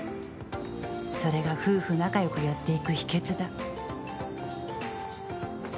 それが夫婦仲良くやっていく秘訣だ。